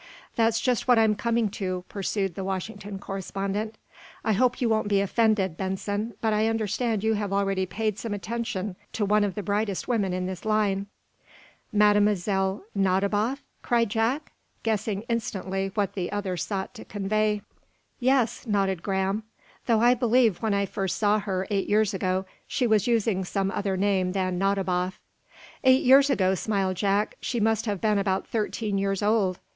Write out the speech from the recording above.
"That's just what I'm coming to," pursued the Washington correspondent. "I hope you won't be offended, Benson, but I understand you have already paid some attention to one of the brightest women in this line." "Mlle. Nadiboff?" cried Jack, guessing instantly what the other sought to convey. "Yes," nodded Graham. "Though I believe, when I first saw her, eight years ago, she was using some other name than Nadiboff." "Eight years ago," smiled Jack, "she must have been about thirteen years old.